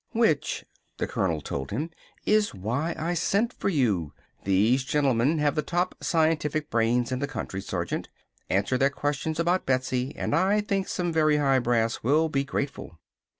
"Which," the colonel told him, "is why I sent for you. These gentlemen have the top scientific brains in the country, Sergeant. Answer their questions about Betsy and I think some very high brass will be grateful.